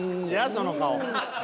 その顔。